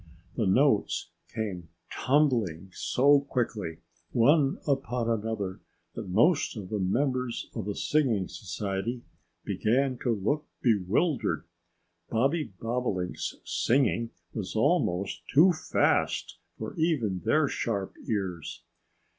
The notes came tumbling so quickly one upon another that most of the members of the Singing Society began to look bewildered. Bobby Bobolink's singing was almost too fast for even their sharp ears.